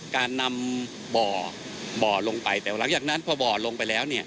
การนำบ่อบ่อลงไปแต่หลังจากนั้นพอบ่อลงไปแล้วเนี่ย